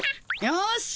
よし！